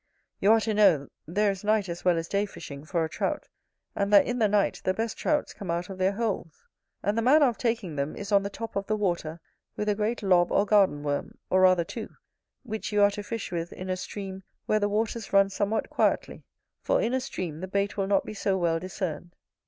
You are to know, there is night as well as day fishing for a Trout; and that, in the night, the best Trouts come out of their holes. And the manner of taking them is on the top of the water with a great lob or garden worm, or rather two, which you are to fish with in a stream where the waters run somewhat quietly, for in a stream the bait will not be so well discerned.